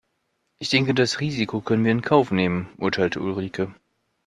Ich denke das Risiko können wir in Kauf nehmen, urteilte Ulrike.